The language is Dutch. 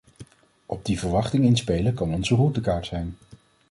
Op die verwachting inspelen kan onze routekaart zijn.